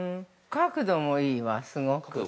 ◆角度もいいわ、すごく。